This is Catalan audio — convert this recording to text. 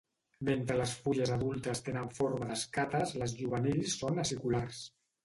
Mentre les fulles adultes tenen forma d'escates les juvenils són aciculars.